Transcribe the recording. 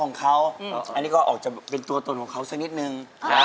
อันนี้ก็ออกจะเป็นตัวตนของเขาสักนิดนึง